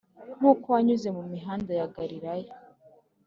nkuko wanyuze mumihanda ya galilaya